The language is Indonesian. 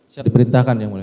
siap diperintahkan yang boleh